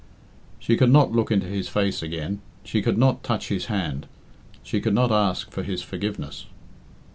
She could not look into his face again; she could not touch his hand; she could not ask for his forgiveness.